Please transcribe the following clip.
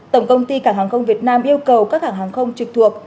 tổng công ty cảng hàng không việt nam yêu cầu các hãng hàng không trực thuộc